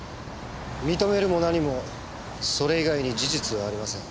認めるも何もそれ以外に事実はありません。